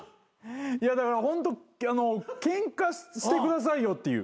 いやだからホントケンカしてくださいよっていう。